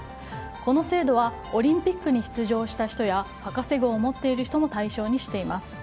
この制度はオリンピックに出場した人や博士号を持っている人も対象にしています。